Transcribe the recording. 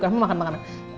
kamu makan makan